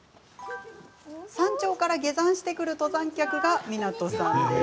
山頂から下山してくる登山客が湊さんです。